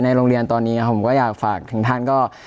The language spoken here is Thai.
โรงเรียนตอนนี้ผมก็อยากฝากถึงท่านก็